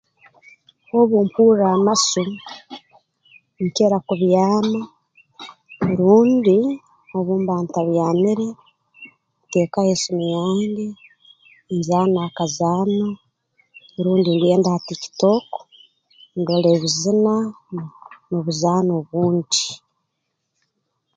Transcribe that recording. Obu mpurra amasu nkira kubyama rundi obu mba ntabyamire nteekaho esimu yange nzaana akazaano rundi ngenda ha Tik Tok ndora ebizina n'obuzaano obundi